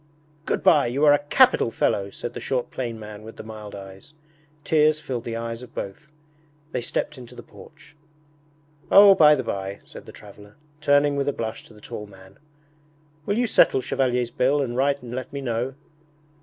'Good bye, you are a capital fellow!' said the short plain man with the mild eyes. Tears filled the eyes of both. They stepped into the porch. 'Oh, by the by,' said the traveller, turning with a blush to the tall man, 'will you settle Chevalier's bill and write and let me know?'